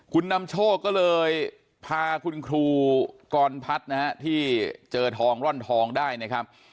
คุณนำโชคก็เลยพาคุณครูกรพัฒน์นะฮะที่เจอทองร่อนทองได้นะครับ